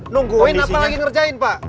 nungguin apa lagi ngerjain pak